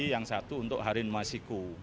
yang satu untuk harun masiku